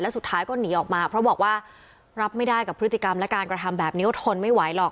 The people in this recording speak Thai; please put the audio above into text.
สุดท้ายก็หนีออกมาเพราะบอกว่ารับไม่ได้กับพฤติกรรมและการกระทำแบบนี้ก็ทนไม่ไหวหรอก